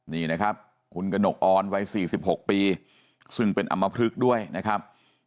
นี่นะครับคุณกระหนกออนวัย๔๖ปีซึ่งเป็นอำมพลึกด้วยนะครับ